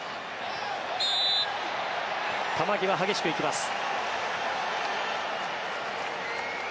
球際、激しく行きます。